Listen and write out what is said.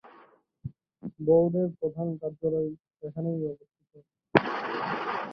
বোর্ডের প্রধান কার্যালয় এখানেই অবস্থিত।